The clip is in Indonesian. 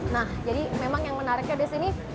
nah jadi memang yang menariknya disini